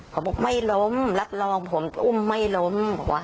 เขาบอกไม่ล้มรับรองผมอุ้มไม่ล้ม